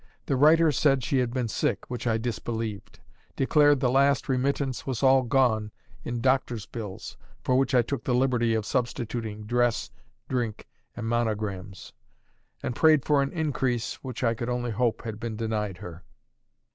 The writer said she had been sick, which I disbelieved; declared the last remittance was all gone in doctor's bills, for which I took the liberty of substituting dress, drink, and monograms; and prayed for an increase, which I could only hope had been denied her.